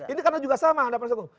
ini karena juga sama ada persatu